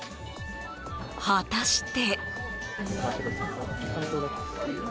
果たして。